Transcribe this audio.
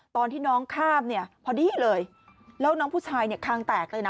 ตอนที่น้องข้ามเนี่ยพอดีเลยแล้วน้องผู้ชายเนี่ยคางแตกเลยนะ